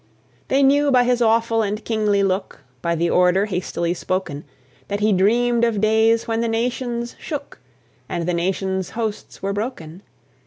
They knew by his awful and kingly look, By the order hastily spoken, That he dreamed of days when the nations shook, And the nations' hosts were broken.